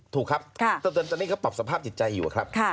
ถูกครับตอนนี้เขาปรับสภาพจิตใจอยู่ครับ